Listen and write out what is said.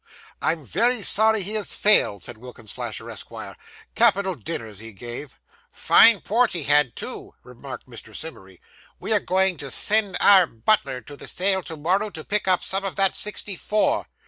'I'm very sorry he has failed,' said Wilkins Flasher, Esquire. 'Capital dinners he gave.' 'Fine port he had too,' remarked Mr. Simmery. 'We are going to send our butler to the sale to morrow, to pick up some of that sixty four.